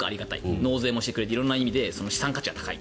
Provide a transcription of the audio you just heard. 納税もしてくれて色んな意味で資産価値が高い。